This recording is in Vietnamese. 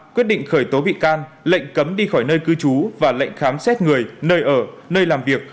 quyết định khởi tố bị can lệnh cấm đi khỏi nơi cư trú và lệnh khám xét người nơi ở nơi làm việc